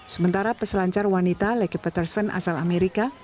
sementara peselancar wanita leckie petersens asal amerika